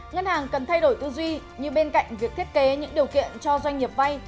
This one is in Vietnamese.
ngân hàng cần thay đổi tư duy như bên cạnh việc thiết kế những điều kiện cho doanh nghiệp vay